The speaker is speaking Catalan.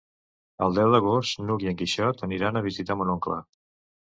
El deu d'agost n'Hug i en Quixot aniran a visitar mon oncle.